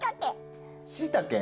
しいたけ。